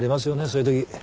そういうとき。